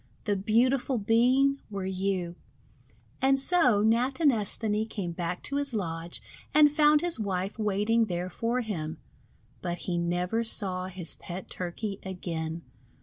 The beautiful Bean were you I " And so Natinesthani came back to his lodge and found his wife waiting there for him. But he never saw his pet Turkey again.